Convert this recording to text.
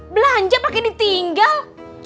belanja pake ditinggal